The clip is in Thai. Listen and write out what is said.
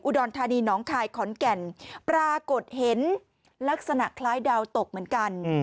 รธานีน้องคายขอนแก่นปรากฏเห็นลักษณะคล้ายดาวตกเหมือนกัน